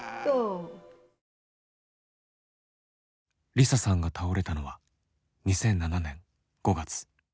梨沙さんが倒れたのは２００７年５月。